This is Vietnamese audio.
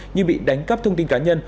như bị đánh cắp thông tin cá nhân